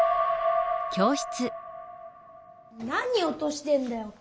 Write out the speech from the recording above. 何おとしてんだよ。